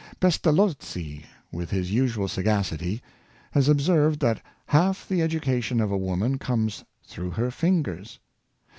Pestalozzi, with his usual sagacity, has observed that half the education of a woman comes through her fingers.